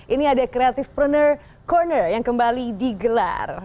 ini ada creative pruner corner yang kembali digelar